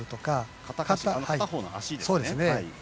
片下肢、片方の足ですね。